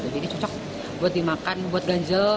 jadi cocok buat dimakan buat ganjel